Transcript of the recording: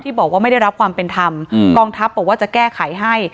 บอกว่าไม่ได้รับความเป็นธรรมกองทัพบอกว่าจะแก้ไขให้